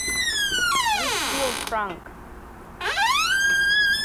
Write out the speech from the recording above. We Still Crunk!!